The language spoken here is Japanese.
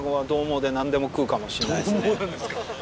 獰猛なんですか。